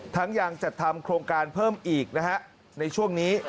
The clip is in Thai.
ทั้งอย่างจัดทำโครงการเพิ่มอีกในช่วงนี้